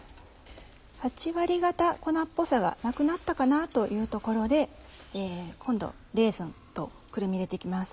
８割方粉っぽさがなくなったかなというところで今度レーズンとくるみ入れて行きます。